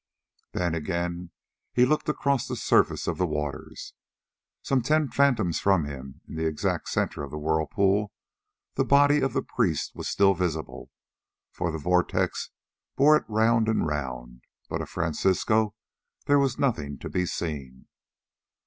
Then again he looked across the surface of the waters. Some ten fathoms from him, in the exact centre of the whirlpool, the body of the priest was still visible, for the vortex bore it round and round, but of Francisco there was nothing to be seen.